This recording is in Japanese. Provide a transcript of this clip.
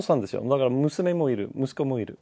だから娘もいる、息子もいる。